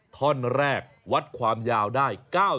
ท่อนแรกวัดความยาวได้